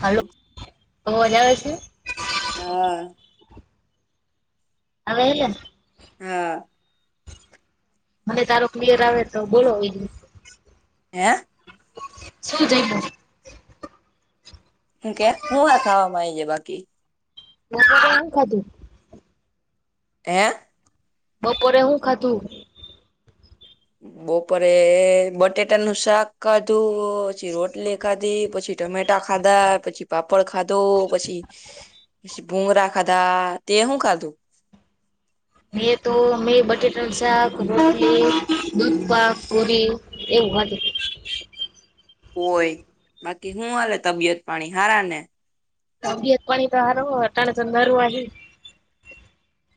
હાલો અવાજ આવે છે? હા હવે [unintelligible] હા મને તારો ક્લિયર આવે તો બોલો બીજુ [unintelligible] હેં? છું જયમો? હેં કે હું આ ખાવા માં આયી જે બાકી બપોરે હું ખાધું? હેં? બપોરે હું ખાધું? બપોરે બટેટાનું શાક ખાધું પછી રોટલી ખાધી પછી ટમેટા ખાધા પછી પાપડ ખાધો પછી પછી ભુંગરા ખાધા તે હું ખાધું? મેં તો મેંય બટેટાનુ શાક, રોટલી, દૂધપાક, પુરી એવું ખાધુ હોય બાકી હું હાલે તબિયત પાણી હારા ને? તબિયત પાણી તો હારો અટાણે તો નરવા હી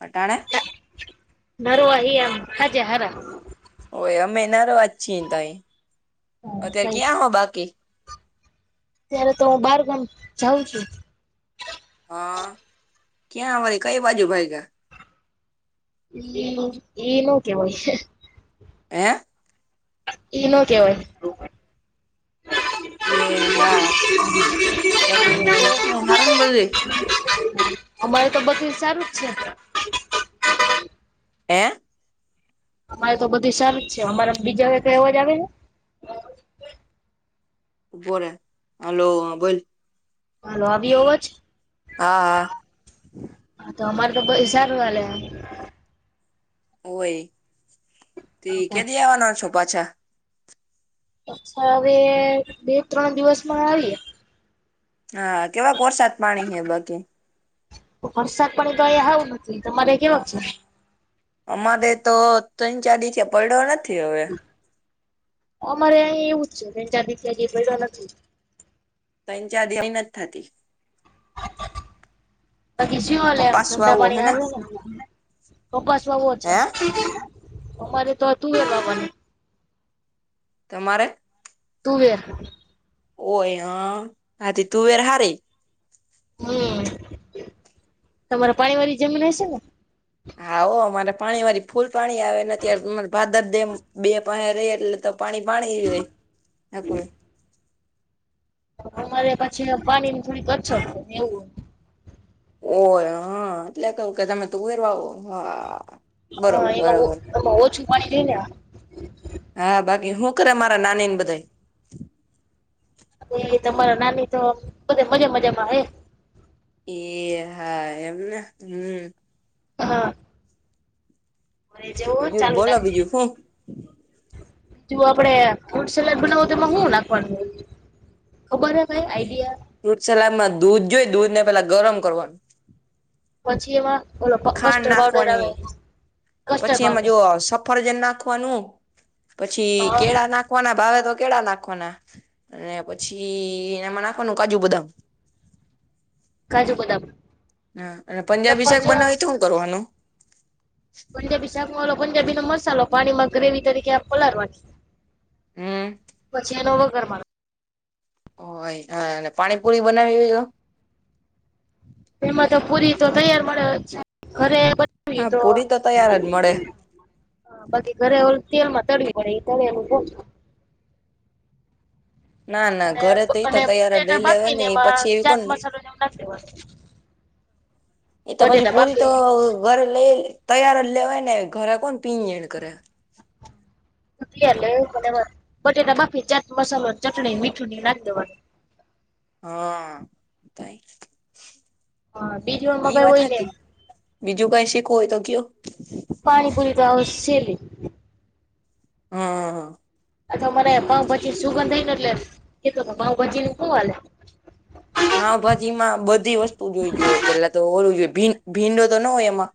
અટાણે? નરવા હી આમ હાજા સારા ઓય અમે નરવા જ છીએ તંઈ અત્યારે કઈ ક્યાં હો બાકી? અત્યારે તો ઉં બારગામ જાઉં છું હાં ક્યાં વરી કઈ બાજુ ભાયગા? ઈ નો ઈ નો કેવાય હેં? ઈનો કેવાય, એ હા બાકી હુ હારું બધુંય,? અમારે તો બકીલ સારું જ છે, હે અમારે તો બધી સારૂ જ છે, અમારે બીજા એકય અવાજ આવે છે,? ઊભો રે હાલો હ બોલ, હાલ આવ્યો અવાજ,? હા, હા હા તો અમારે તો પૈસા નુ હાલેવા. ઓય તેકે અચ્છા દી આવવાનો છો પાછા,? અચ્છા હવે બે ત્રણ દિવસમાં આવીએ. હા કેવાક વરસાદ પાણી હે બાકી,? વરસાદ પાણી તોહીયા આવું નથી તમારે કેવા છે,? અમારે તો ત્રણ -ચાર દિવસ પડ્યો નથી, હવે. અમારે અહીંયા એવું જ છે, ત્રણ ચાર દિ લા પડો નથી, ત્રણ -ચારદી અમે નથી થતી, બાકી શુંલેમ કપાસ ધંધા વાવો પાણી હે ને હાલે,? કપાસ વાવો છે,? હે અમારે તો હતું એ બાને, તમારે, તુવેર, ઓય હ હાથી તુવેર હારી, હું તમારે પાણી વાળી જમીન હશે ને,? હા હો અમારે પાણી વાળી ફૂલ પાણી આવે ને અમારે ભાદર ડેમ બે પાસે ર એટલે તો પાણી હોય નકરુ, અમારે પાછી પાણીની થોડી અછત એવું, ઓય હા એટલે કુંકે તમે તુવેર વાવો હા, હા બરોબર બરોબર એઈમાં હો છું, લેયને હા બાકી હું કરે મારા નાની ને બધા,? એ તમારા નાની તો બધા મજા મજામાં હે, એહા એમને હું, હા [inaudible] રે જેવું જ બીજું ચાલુ બોલો રાખજે, બીજું શું જો આપડે ફૂડસલાડ બનાવું તો શું નાંખવાનું હોય,? ખબર હે ભાઈ આઈડિયા,? ફ્રૂટ સલાડમાં દૂધ જોઈ દૂધ ને પેલા ગરમ કરવાનું, પછી એમાં,? ઓલો ખાંડ કસ્ટર્ડ પાવડર આવે નાખવાની. કસ્ટર્ડ પછી એમાં પાવડર જો સફરજન નાખવાનું પછી હા કેળા નાખવા નાખવાના ભાવે તો કેળા, નાખવાના અને પછીમાં નાખવાનું કાજુ, બદામ. કાજુ બદામ, હ અને પંજાબી શાક સફરજન બનાવી શું કરવાનું.? પંજાબ શાક વાલો પંજાબી ન મસાલો પાણીમાં ગ્રેવી તરીકે પલારવાનો. હમ પછી એનો વધાર મારવાનો, ઓહા પાણીપુરી બનાવી હોય તો,? એમાં તો પુરી તો તૈયાર મડે‌ છે. હા પૂરી તો તૈયાર જ મળે [unintelligible] ઘરે ઓલું તેલ માં તરવી પડે તરેલુ [unintelligible] ના ના અને ઘરે તો એ તો અને તૈયાર જ બટેટા લઈ લેવાય ને બાફીને એ એમાં પછી એવી ચાટ કોણ મસાલો જેવું નાખી દેવાનું. એ તો પછી બટેટા પૂરી તો બાફીને ઘરે લઈ તૈયાર જ લેવાય ને ઘરે કોણ પી એડ કરે. ત્યાંર લેવ પણ એમાં બટેટા બાફી ચાટ મસાલો ચટણી મીઠું ની નાખી દેવાનું હા હા બીજુ ઈ વાત હાચી બીજું કઈ શીખવું હોય તો કયો પાણી પુરી તો હાવ સેલી હા આતો મને પાવ ભાજી સુગંધ આઈને એટલે કેતો પાવ ભાજી નું શું હાલે પાવભાજી માં બધી વસ્તુ જોયો પેલા તો ઓલુ જો ભીંડો તો ના હોય એમાં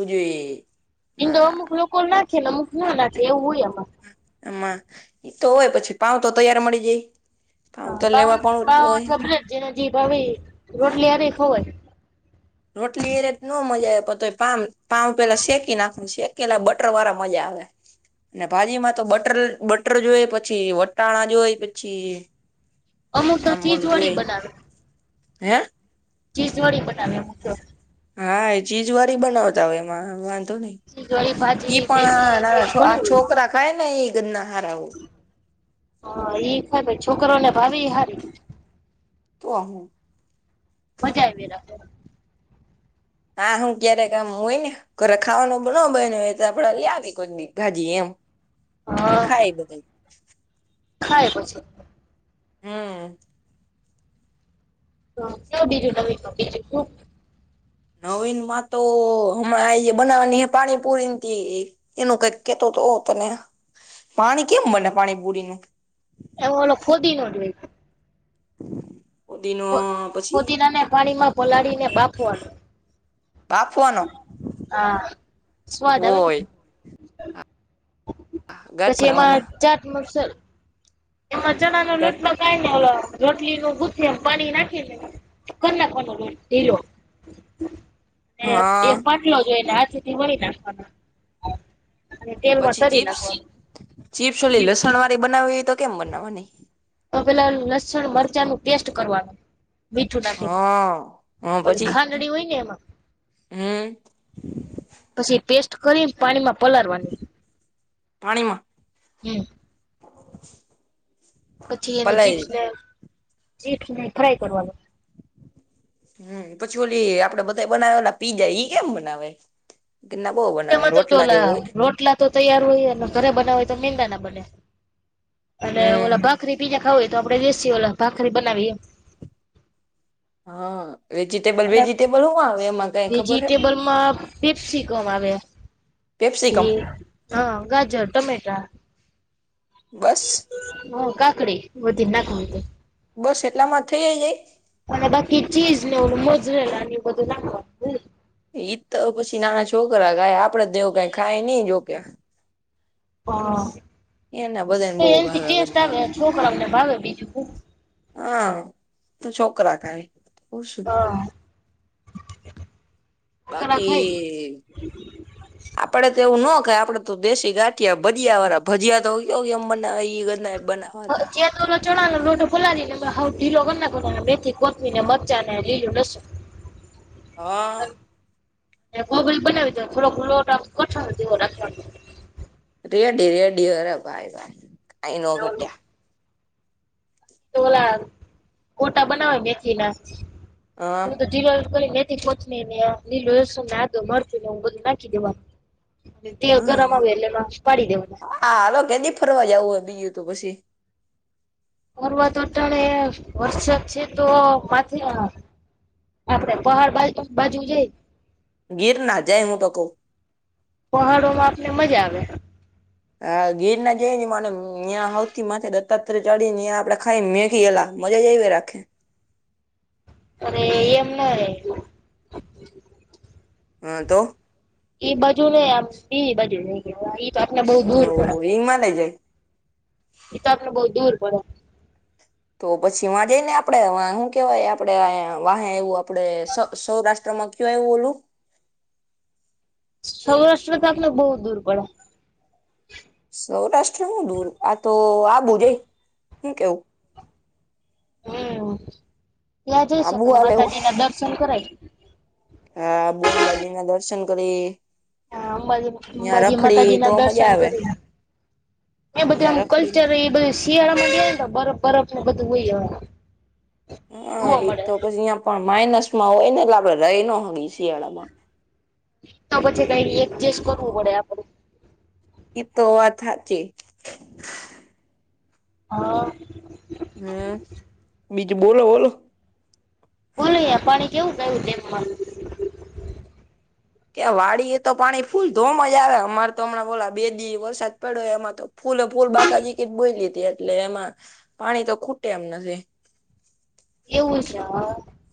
[unintelligible] એમ તો અમુક લોકો નાખે ને અમુક ના નાખે એવું હોય આમા આમાં એતો હોય પછી પાાવ તો તૈયાર મળી જાય. પાઉ તો લેવા પણ હા હોય [unintelligible] જેને જે ભાવે રોટલી હારે એ ખવાઈ રોટલી એ રે તો ન મજા આવે પામ પાવ પેલા શેકી નાખુ સે. પેલા બટર વાળા મજા આવે. ને ભાજીમાં તો બટર બટર જોએ પછી વટાણા જોઈ પછી અમુક તો આમ ચીજ ઓલું વાળી જોઈ બનાવે. હે ચીજ વાળી બનાવે એમ કયો હા એ ચીજ વાળી બનાવતા હોય એમાં વાંધો નહી. સીધવાળી ઈ ભાજી પણ મેગી ને આ એવું નાના ઘણું હોય. છોકરા ખાય ને એ ગના હારાઓ હા એ ખાય ભાઈ છોકરોને ભાવેય હારી તો હું મજા આવી જાય [unintelligible] હા હું ક્યારે કામ હોય ને ઘરે ખાવાનો ન બયનું એ તો આપડે લીયાવે કોઈક દી ભાજી એમ કે ખાઈ લો ભાઇ ખાઈ પછી હમ્મ તો કયો બીજું નવી [unintelligible] બીજું [unintelligible] નવીન માં તો હમણાં બનાવાની હે ને પાણીપુરી તી એનું કંઈક કેતો તો તને પાણી કેમ બને પાણી પૂરીનું એ ઓલો ફુદીનો જોઈશે. [inaudible] ફુદ પછી ફુદીના ને પાણી માં પલાળી ને બાફવાનું બાફવાનો હા સ્વાદ આવે ને હોય ગટ પછી એમાં બનાવાના ચાટ મસાલો એમાં ચણા નો ગટ લોટ [unintelligible] રોટલી નું ગુથીએ એમ પાણી નાખીને કર નાખવાનો ઢીલો એ હા. પાટલો જોઈને હાથેથી વણી નાખવાનો અને તેલમાં પછી તરી ચીપ્સ નાખવાનો ચીપ્સ ઓલી લસણ વાળી બનાવવી હોય તો કેમ બનાવવાની તો પેલા લસણ મરચાં નું પેસ્ટ કરવાનું મીઠું હા. હા નાાખી ઓલી પછી ખાંડણી હોય ને એમાં હમ પછી પેસ્ટ કરીને પાણીમાં પલાળવા ની પાણીમાં હમ પછી એને પલાય ચીપ્સ ને ચીપ્સ ને એ ફ્રાય કરવાનું. હમ પછી ઓલી આપડે બધાય બનાવે પીજા ઈ કેમ બનાવે? તેના બહુ બનાવે એમાં તો જો રોટલા ઓલા જેવું હોય ને રોટલા તો તૈયાર હોય ઘરે બનાવ હોય તો મેંદા ના બને અને ને ઓલા હમ ભ [inaudible] દેશીએલા ભખરી બનાવીએ એમ હા, અને વેજીિટેબલ-વેજીિટેબલ હુ આવે એમાં કાંઈ ખબર હે? વેજીિટેબલમાં પેપ્સિકમ આવે કેપસીકમ. પછી હા. ગાજર, ટમેટા. બસ. હહ કાકડી હ દ નાક હોતે. બસ એટલામાં થઇ ગઈ? અને બાકી ચીઝને ઓલુ મોજરેલા એવું બધું નાખવાનું. ઈ જ તો પછી નાના છોકરા ખાય. આપણે તો કાંઈ ખાય નહીં જોકે. હા. એને બધાને બહુ એનાથી ભાવ્યા ટેસ્ટ બચ્ચા ઓ આવે ને. છોકરાઓને ભાવે બીજું હું હા તું છોકરા ને [inaudible] બ [inaudible] બાકી, [inaudible] આપડે તો એવું ના ખય આપડે તો દેશી ગાંઠિયા ભજીયા વાળા ભજીયા તોયો કે એમ બના બનાવ હ જે ચણા નોટો ફોલા હઉ ઢીલો કર નાખવાનો મેથી કોથમી ને મરચા ને લીલું લસ. હા હ [inaudible] બનાવી દે થોડોક લોટ કઢણ જેવો રાખવાનું. રેડી રેડી અરા ભાઈ ભાઈ આઈનો ઘટે. તો ઓલા ગોટા બનાવા મેથીના. હા હ તો જીલો મેથી કોથમીર ને લીલુ લસણ અને આદુ મરચુ ને એવું હું બધું નાખી દેવાનું. તેલ ગરમ હમ આવે એટલે [inaudible] પાડી દેવુ. હા હાલ કેની ફરવા જવું હોય બીજું તો પછી. પરવતો અટાણે વરસાદ છે તો માથે આપણે પહાડ બાજુ-બાજુ જઈ. ગીરના જાય હું તો કવ. પહાડો માં આપને મજા આવે. હા ગીર ના જઈ મને ્યાિયાં હથી માથે દત્તાત્ર ચડી ને આપડે ખાઈ મેગી એલા. મજા જ એવી રાખે. અરે એમ ન રહે. હ તો. ઈ બાજુ નહીં, આમ [unintelligible] બાજુ [unintelligible] તો દૂર પડે હિંગ મા લ જ એ તો આપડે બહુ દૂર પડે. તો પછી વા જઈ ને આપડે શું કેવાય આપડે વાહે એવું આપડે સૌરાષ્ટ્રમાં [inaudible] [inaudible] કિવાય બોલું. સૌરાષ્ટ્ર તો આપલે બહુ દૂર પડે. સૌરાષ્ટ્ર શું દૂર? આ તો આ જે શું કેવું? હમ, ત્યાં જઈ આબુ શકાય હાલે હો માતાજી ના દર્શન કરવા. હા, બોમબાજી ના દર્શન કરી. હા, અંબાજી ત્યાં અંબાજી માતાજી રખડી ના તો મજા દર્શન આવે કરી. એ ત્યાં બધુંમ રખડી કલ્ચર એ બધ શિયાળા માં ગ ને, બરફ બરફ ને બધું હોય. હા, જોવા એ મળે તો પછી અહિયાં પણ માઇનસ માં હોય ને, એટલે આપડે રહી ન હો શિયાળામાં. તો પછી કઈ એડજસ્ટ કરવું પડે આપડે. એ તો વાત સાચી. હા. હમ, બીજું બોલો બોલો. બોલું આપ કેવું કયું તેમ? કે વાડી એ તો પાણી ફૂલ ધ મજા આવે, અમારે તો હમણા ગેલા બે દિવસ વરસાદ પડ્યો એમાં તો ફૂલે ફૂલ બાકાજી ક જ બોઈ લીધી, એટલે એમાં પાણી તો ખૂટે એમ નથી. એવું છે.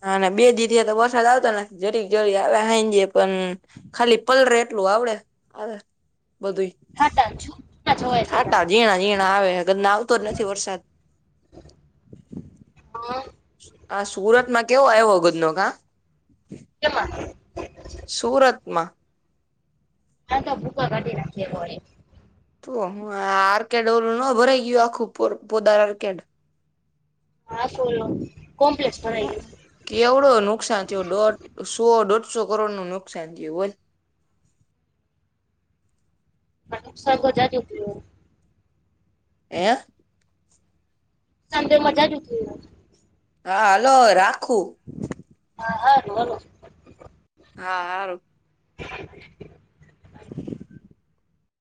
હા, બે દીધ તો વરસાદ આવતો ને જરીક જરી આવ્યા હ, જે પણ ખાલી પલરે, એટલું આવડે આવે બધું. હટ છું, ના જ હોય જટ. ઝીણા-ઝીણા આવેને, આવતો જ નથી વરસાદ. હ હ, સુરત માં કેવો આવ્યો, ગજ નો કા. કેમાં? સુરતમાં. હા, તો ભૂખ કાઢી નાખીએ હો. તો હું આર્કેડ ઓલું નભરાઈ ગયું, આખું પોદાર આર્કેડ. હા, સોલો કોમ્પ્લેક્સમાંઈ ગું કેવડો નુકસાન થયો, દોઢસો, દોઢસો કરોડ નું નુકસાન થયું બોલ. નુકસ ગજા ઘટ [unintelligible] હ. તે મજા જટ. હા, હાલો રાખું. હા, હા, હલો. હારું. [unintelligible]